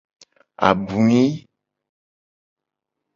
Abui.